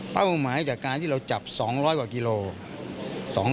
เป้าหมายจากการที่เราจับ๒๐๐กว่ากิโลเมตร